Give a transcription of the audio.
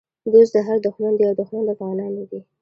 دوست د هر دښمن دی او دښمن د افغانانو دی